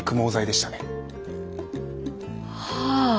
はあ。